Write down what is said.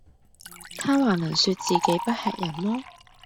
他還能説自己不喫人麼？